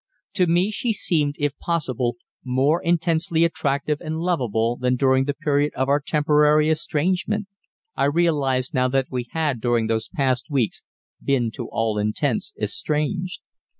To me she seemed, if possible, more intensely attractive and lovable than during the period of our temporary estrangement I realized now that we had during those past weeks been to all intents estranged.